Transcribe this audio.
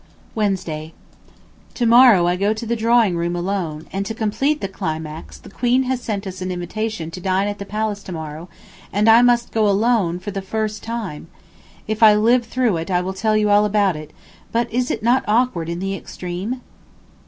Wednesday. To morrow I go to the Drawing Room alone, and to complete the climax, the Queen has sent us an invitation to dine at the Palace to morrow, and I must go alone for the first time. If I live through it, I will tell you all about it; but is it not awkward in the extreme?